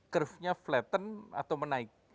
curve nya flatten atau menaik